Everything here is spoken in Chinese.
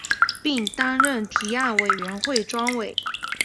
并担任提案委员会专委。